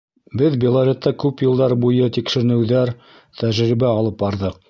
Беҙ Белоретта күп йылдар буйы тикшеренеүҙәр, тәжрибә алып барҙыҡ.